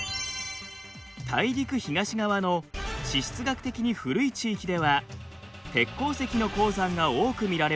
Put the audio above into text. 大陸東側の地質学的に古い地域では鉄鉱石の鉱山が多く見られます。